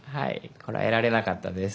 こらえられなかったです。